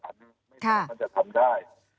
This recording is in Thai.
ไม่น่าจะทำได้